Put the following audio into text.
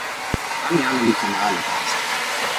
pali ala li pona ala tawa sina.